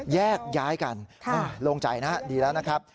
แยกย้ายกันครับลงใจนะครับดีแล้วนะครับ